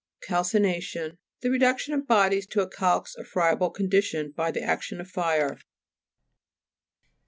CALCINA'TION The reduction of bodies to a calx or friable condition by the action of fire.